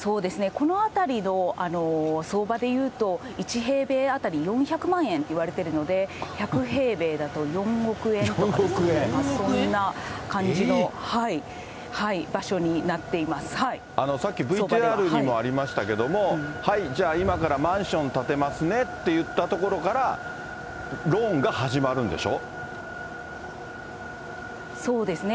この辺りの相場でいうと、１平米当たり４００万円っていわれているので、１００平米だと４億円とか、さっき、ＶＴＲにもありましたけども、はい、じゃあ今からマンション建てますねっていったところからローンがそうですね。